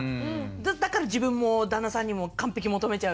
だから自分も旦那さんにも完璧求めちゃうし。